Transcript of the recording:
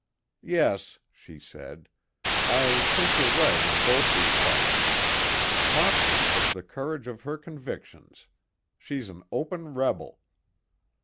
"Yes," she said. "I think you're right in both respects. Mopsy has the courage of her convictions. She's an open rebel."